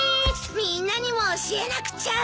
みんなにも教えなくちゃ！